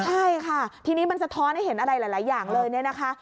ใช่ค่ะทีนี้มันสะท้อนให้เห็นอะไรหลายอย่างเลยเนี่ยนะคะ